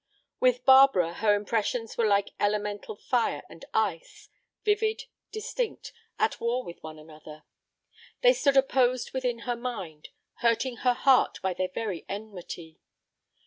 With Barbara her impressions were like elemental fire and ice, vivid, distinct, at war with one another. They stood opposed within her mind, hurting her heart by their very enmity.